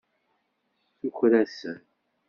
Tuker-asen.